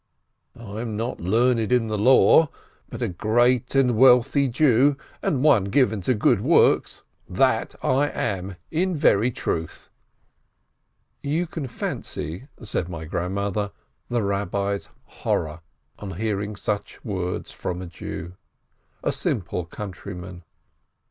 I am not learned in the Law, but a great and wealthy Jew, and one given to good works, that am I in very truth !" You can fancy — said my Grandmother — the Rabbi's horror on hearing such words from a Jew, a simple coun tryman.